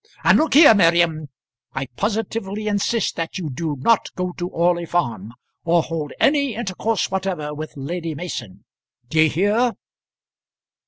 And look here, Miriam, I positively insist that you do not go to Orley Farm, or hold any intercourse whatever with Lady Mason. D'ye hear?"